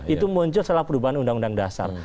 itu muncul setelah perubahan undang undang dasar